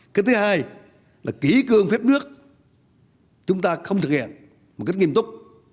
cái thứ hai là kỹ cương phép nước chúng ta không thực hiện một cách nghiêm túc